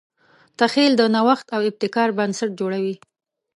تخیل د نوښت او ابتکار بنسټ جوړوي.